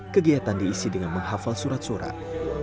kegiatan diisi dengan menghargai dan berjaya